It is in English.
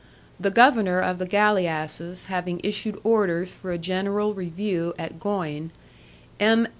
The governor of the galeasses having issued orders for a general review at Gouyn, M.